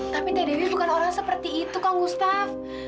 tapi teh dewi bukan orang seperti itu kang gustaf